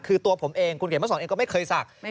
คือตัวผมเองคุณเขียนมาสอนเองก็ไม่เคยศักดิ์